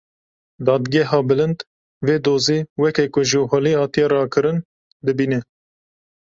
Dadgeha Bilind vê dozê weke ku ji holê hatiye rakirin, dibîne.